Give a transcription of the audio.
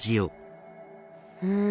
うん。